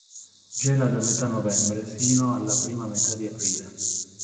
Gela da metà novembre sino alla prima metà di aprile.